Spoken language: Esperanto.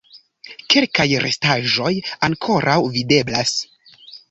Kelkaj restaĵoj ankoraŭ videblas.